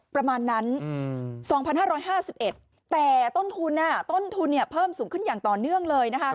ประมาณนั้น๒๕๕๑แต่ต้นทุนต้นทุนเพิ่มสูงขึ้นอย่างต่อเนื่องเลยนะคะ